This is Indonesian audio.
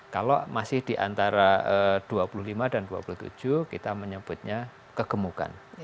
kalau masih di antara dua puluh lima dan dua puluh tujuh kita menyebutnya kegemukan